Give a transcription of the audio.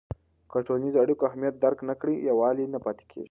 که د ټولنیزو اړیکو اهمیت درک نه کړې، یووالی نه پاتې کېږي.